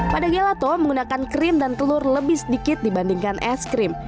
pada gelato menggunakan krim dan telur lebih sedikit dibandingkan es krim